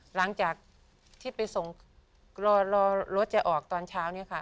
หลังจากที่ไปส่งรอรถจะออกตอนเช้านี้ค่ะ